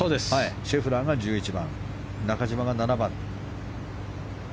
シェフラーが１１番中島が７番。